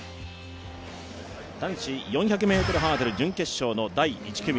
男子４００ｍハードル準決勝の第１組。